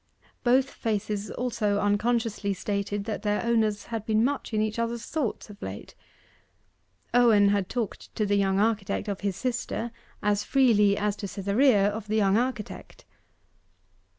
Both faces also unconsciously stated that their owners had been much in each other's thoughts of late. Owen had talked to the young architect of his sister as freely as to Cytherea of the young architect.